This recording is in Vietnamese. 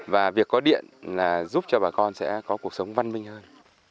và việc có điện là giúp cho bà con sẽ có cuộc sống văn minh hơn